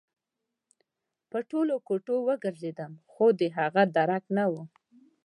په ټولو کوټو وګرځېدم خو د هغه درک نه و